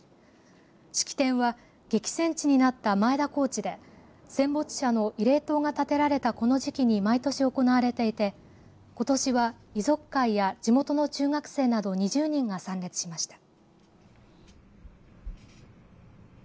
式典は激戦地になった前田高地で戦没者の慰霊塔が建てられたこの時期に毎年、行われていてことしは遺族会や地元の中学生など２０人が参列しました。